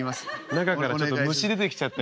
中からちょっと虫出てきちゃったりする。